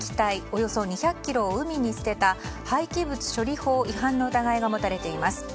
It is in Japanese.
およそ２００ｋｇを海に捨てた廃棄物処理法違反の疑いが持たれています。